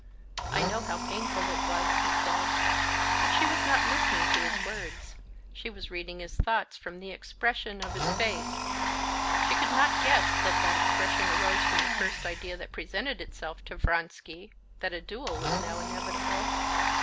I know how painful it was," he said. But she was not listening to his words, she was reading his thoughts from the expression of his face. She could not guess that that expression arose from the first idea that presented itself to Vronsky—that a duel was now inevitable.